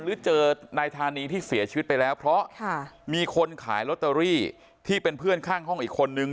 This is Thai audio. หรือเจอนายธานีที่เสียชีวิตไปแล้วเพราะมีคนขายลอตเตอรี่ที่เป็นเพื่อนข้างห้องอีกคนนึง